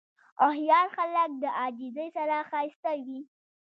هوښیار خلک د عاجزۍ سره ښایسته وي.